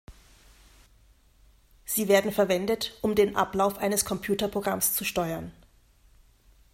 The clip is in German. Sie werden verwendet, um den Ablauf eines Computerprogramms zu steuern.